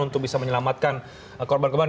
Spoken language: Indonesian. untuk bisa menyelamatkan korban korban